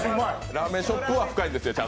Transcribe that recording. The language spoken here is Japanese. ラーメンショップは深いんですよ。